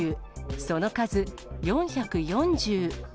その数４４０。